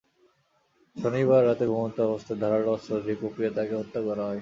শনিবার রাতে ঘুমন্ত অবস্থায় ধারালো অস্ত্র দিয়ে কুপিয়ে তাঁকে হত্যা করা হয়।